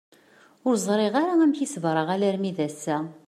Ur ẓriɣ ara amek i sebreɣ alammi d ass-a.